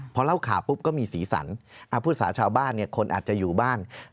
พอเล่าข่าวปุ๊บก็มีสีสันพูดสาชาวบ้านเนี่ยคนอาจจะอยู่บ้าน